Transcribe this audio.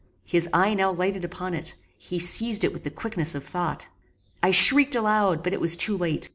His eye now lighted upon it; he seized it with the quickness of thought. I shrieked aloud, but it was too late.